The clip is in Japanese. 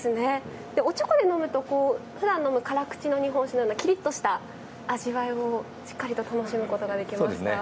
でおちょこで飲むとふだん飲む辛口の日本酒のようなキリッとした味わいをしっかりと楽しむことができました。